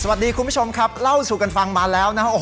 สวัสดีคุณผู้ชมครับเล่าสู่กันฟังมาแล้วนะฮะ